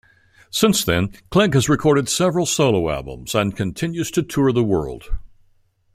Since then, Clegg has recorded several solo albums and continues to tour the world.